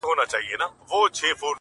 زه له سهاره تر ماښامه میکده کي پروت وم,